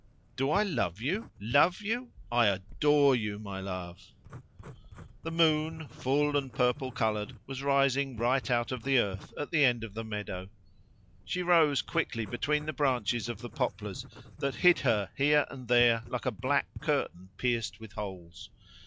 "Do I love you love you? I adore you, my love." The moon, full and purple coloured, was rising right out of the earth at the end of the meadow. She rose quickly between the branches of the poplars, that hid her here and there like a black curtain pierced with holes.